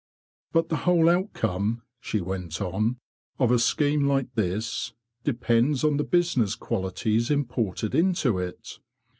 '* But the whole outcome,'' she went on, ' of a scheme like this depends on the business qualities imported into it.